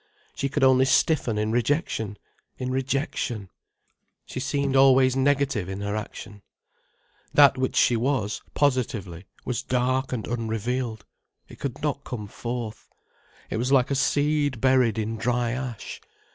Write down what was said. She could only stiffen in rejection, in rejection. She seemed always negative in her action. That which she was, positively, was dark and unrevealed, it could not come forth. It was like a seed buried in dry ash.